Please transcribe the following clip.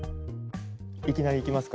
いきなりいきますか？